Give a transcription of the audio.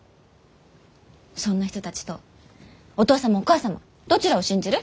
そんな人たちとお父様お母様どちらを信じる？